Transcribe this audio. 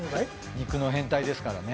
肉の変態ですからね。